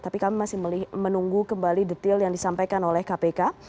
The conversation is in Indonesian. tapi kami masih menunggu kembali detail yang disampaikan oleh kpk